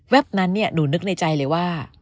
นั้นหนูนึกในใจเลยว่า